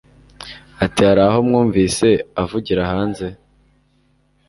Ati Hari aho mwumvise avugira hanze